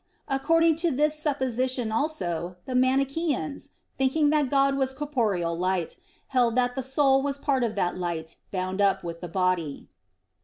According to this supposition, also, the Manichaeans, thinking that God was corporeal light, held that the soul was part of that light bound up with the body.